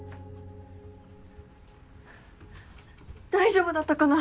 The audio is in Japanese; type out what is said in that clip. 大丈夫だったかな？